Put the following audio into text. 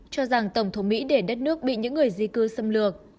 cho rằng tổng thống mỹ để đất nước bị những người di cư xâm lược